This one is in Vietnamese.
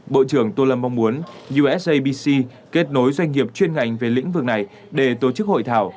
bộ trưởng tô lâm mong muốn usabc kết nối doanh nghiệp chuyên ngành về lĩnh vực này để tổ chức hội thảo